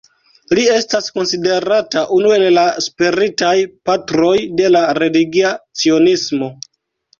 Li estas konsiderata unu el la spiritaj patroj de la religia cionismo.